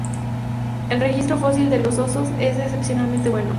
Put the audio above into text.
El registro fósil de los osos es excepcionalmente bueno.